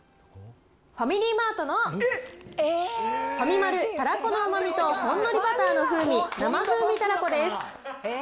ファミリーマートのファミマルたらこの旨みとほんのりバターの風味生風味たらこです。